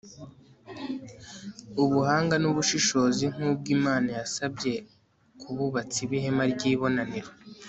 ubuhanga n'ubushishozi nk'ubwo imana yasabye ku bubatsi b'ihema ry'ibonaniro